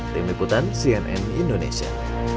tim liputan cnn indonesia